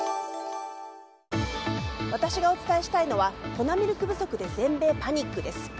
私がお伝えしたいのは粉ミルク不足で全米パニックです。